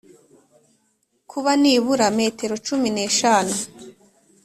Kuba nibura metero cumi n eshanu